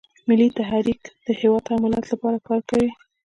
ملي تحریک د هیواد او ملت لپاره کار کوي